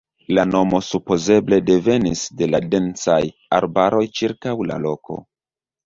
La nomo supozeble devenis de la densaj arbaroj ĉirkaŭ la loko.